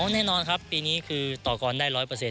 แน่นอนครับปีนี้คือต่อกรได้๑๐๐